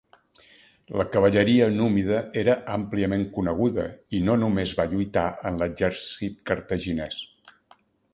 La cavalleria númida era àmpliament coneguda i no només va lluitar en l'exèrcit cartaginès.